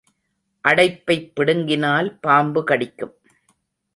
அடைப்பைப் பிடுங்கினால் பாம்பு கடிக்கும்.